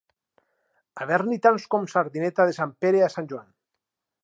Haver-n'hi tants com sardineta de Sant Pere a Sant Joan.